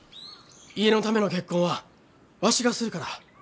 家のための結婚はわしがするから。